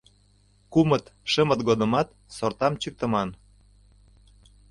Кумыт, шымыт годымат сортам чӱктыман.